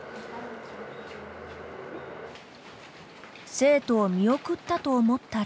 生徒を見送ったと思ったら。